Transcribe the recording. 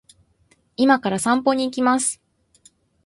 今から散歩に行きます